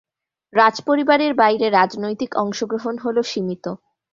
রাজপরিবারের বাইরে রাজনৈতিক অংশগ্রহণ হল সীমিত।